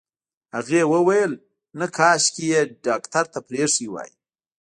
هغې وويل نه کاشکې يې ډاکټر ته پرېښې وای.